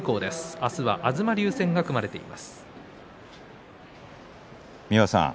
明日は東龍戦が組まれています。